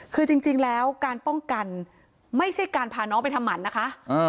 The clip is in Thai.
คือจริงแล้วการป้องกันไม่ใช่การพาน้องไปทำหมันนะคะ